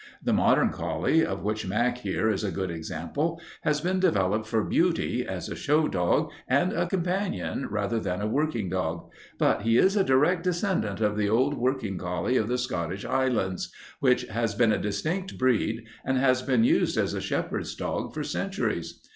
The modern collie, of which Mac here is a good example, has been developed for beauty, as a show dog and companion rather than a working dog, but he is a direct descendant of the old working collie of the Scottish Highlands, which has been a distinct breed and has been used as a shepherd's dog for centuries.